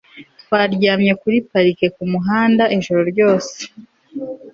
twaryamye kuri parike kumuhanda ijoro ryose